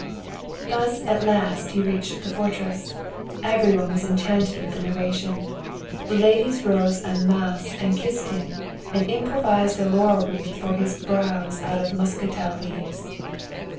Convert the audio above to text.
Thus at last he reached the fortress. Every one was enchanted with the narration. The ladies rose en masse and kissed him, and improvised a laurel wreath for his brows out of muscatel leaves.